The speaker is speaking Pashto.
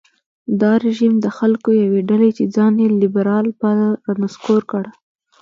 دا رژیم د خلکو یوې ډلې چې ځان یې لېبرال باله رانسکور کړ.